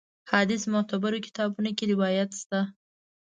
حدیث معتبرو کتابونو کې روایت شته.